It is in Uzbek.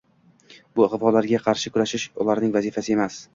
— Bu ig‘volarga qarshi kurashish ularning vazifasi emas.